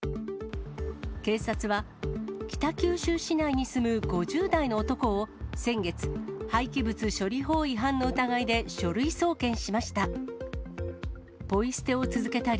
警察は北九州市内に住む５０代の男を、先月、廃棄物処理法違反の疑いで書類送検しました。